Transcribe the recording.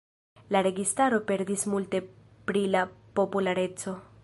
La registaro perdis multe pri la populareco.